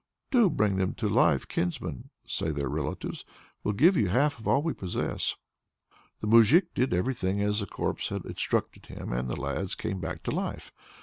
"Do bring them to life, kinsman," say their relatives. "We'll give you half of all we possess." The moujik did everything as the corpse had instructed him, and the lads came back to life.